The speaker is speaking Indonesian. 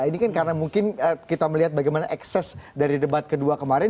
ini kan karena mungkin kita melihat bagaimana ekses dari debat kedua kemarin